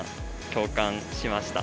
共感しました。